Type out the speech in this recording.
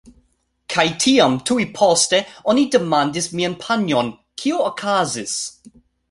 Kaj tiam, tuj poste, oni demandis mian panjon "kio okazis?"